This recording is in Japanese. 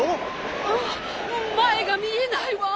あっまえがみえないわ。